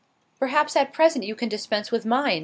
"Perhaps at present you can dispense with mine?"